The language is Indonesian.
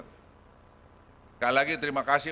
sekali lagi terima kasih